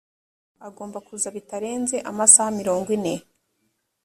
agomba kuza bitarenze amasaha mirongo ine.